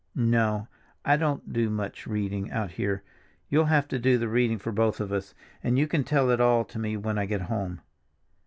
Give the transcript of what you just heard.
No, I don't do much reading out here; you'll have to do the reading for both of us, and you can tell it all to me when I get home.